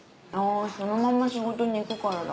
そのまんま仕事に行くからだ。